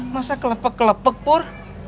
masa kelepek kelepek pur